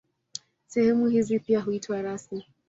Sehemu hizi pia huitwa rasi.